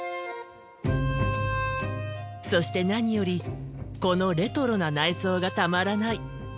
そして何よりこのレトロな内装がたまらない。